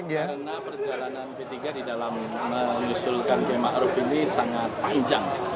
karena perjalanan p tiga di dalam menyusulkan kiai maruf ini sangat panjang